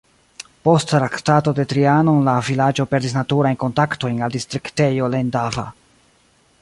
Post Traktato de Trianon la vilaĝo perdis naturajn kontaktojn al distriktejo Lendava.